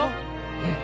うん！